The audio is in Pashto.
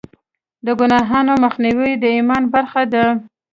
د ګناهونو مخنیوی د ایمان برخه ده.